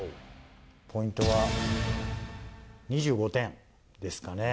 ポイントは２５点ですかね。